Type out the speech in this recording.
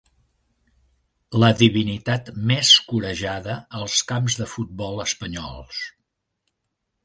La divinitat més corejada als camps de futbol espanyols.